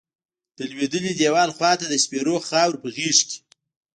د لویدلیی دیوال خواتہ د سپیرو خاور پہ غیز کیی